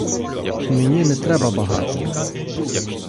І мені не треба багато.